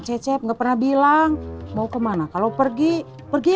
jadi sekarang aa kau parah lagi